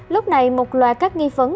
lúc này một loài các nghi phấn